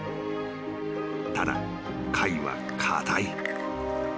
［ただ貝は硬い］